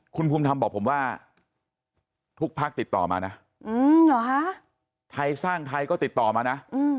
คุณภูมิธรรมบอกผมว่าทุกพักติดต่อมานะไทยสร้างไทยก็ติดต่อมานะ